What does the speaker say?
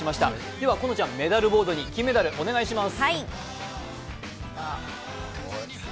ではこのちゃんメダルボードにお願いします。